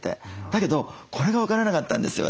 だけどこれが分からなかったんですよ